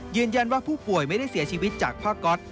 ยืนยันว่าผู้ป่วยไม่ได้เสียชีวิตจากผ้าก๊อต